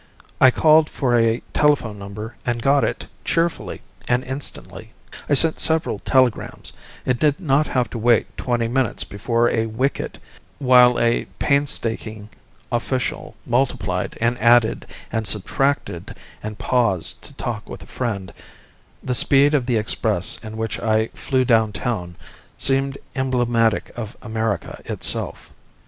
I called for a telephone number and got it cheerfully and instantly. I sent several telegrams, and did not have to wait twenty minutes before a wicket while a painstaking official multiplied and added and subtracted and paused to talk with a friend; the speed of the express in which I flew down town seemed emblematic of America itself.